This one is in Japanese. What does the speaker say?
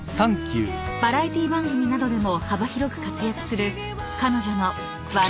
［バラエティー番組などでも幅広く活躍する彼女の］